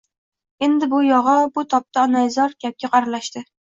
Endi bu yog‘i… Shu tobda onaizor gapga aralashdi